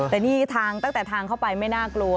แต่นี่ทางตั้งแต่ทางเข้าไปไม่น่ากลัว